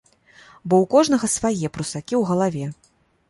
Бо ў кожнага свае прусакі ў галаве.